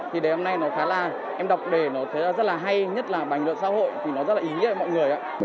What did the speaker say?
thì đề hôm nay em đọc đề nó rất là hay nhất là bành luận xã hội thì nó rất là ý nghĩa với mọi người